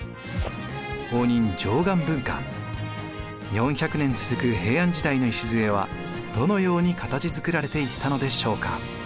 ４００年続く平安時代の礎はどのように形づくられていったのでしょうか。